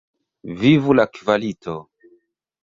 Vivu la kvalito!